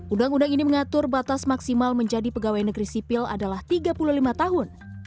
undang undang ini mengatur batas maksimal menjadi pegawai negeri sipil adalah tiga puluh lima tahun